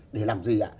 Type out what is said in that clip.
để làm gì ạ